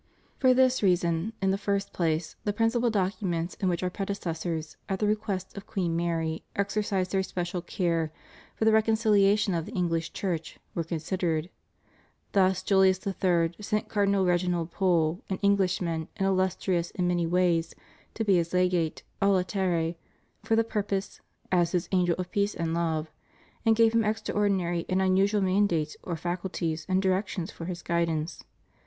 For this reason, in the first place, the principal documents in which Our predecessors, at the request of Queen Mary, exercised their special care for the reconciliation of the Enghsh Church, were considered. Thus Juhus III. sent Cardinal Reginald Pole, an Englishman, and illustrious in many ways, to be his Legate a latere for the purpose, as hit angel of peace and love," and gave him extraordinary and unusual mandates or faculties and direction for his guidance.